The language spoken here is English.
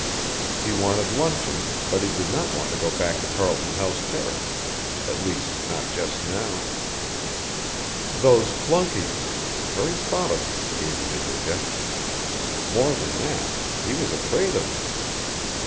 He wanted luncheon but he did not want to go back to Carlton House Terrace, at least not just now. Those flunkeys the very thought of them gave him indigestion more than that, he was afraid of them.